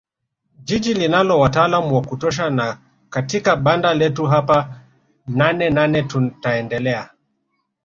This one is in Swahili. Jiji linao wataalam wa kutosha na katika banda letu hapa Nanenane tutaendelea